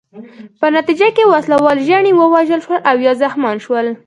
په نتیجه کې وسله وال ژڼي ووژل شول او یا زخمیان شول.